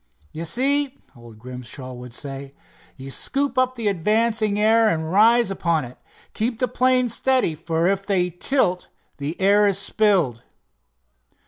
"You see," old Grimshaw would say, "you scoop up the advancing air and rise upon it. Keep the planes steady, for if they tilt the air is spilled."